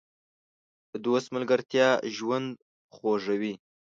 د دوست ملګرتیا ژوند خوږوي.